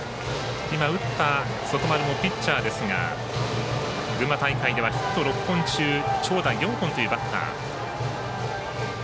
打った外丸もピッチャーですが群馬大会ではヒット６本中長打４本というバッター。